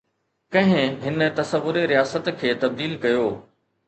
ڪنهن هن تصور رياست کي تبديل ڪيو؟